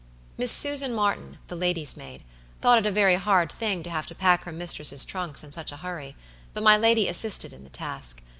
Miss Susan Martin, the lady's maid, thought it a very hard thing to have to pack her mistress' trunks in such a hurry, but my lady assisted in the task.